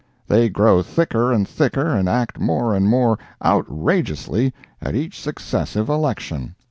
They grow thicker and thicker and act more and more outrageously at each successive election.